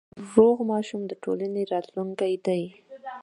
روغ ماشوم د ټولنې راتلونکی دی۔